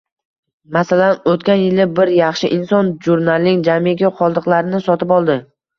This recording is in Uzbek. Masalan, o‘tgan yili bir yaxshi inson jurnalning jamiki qoldiqlarini sotib oldi.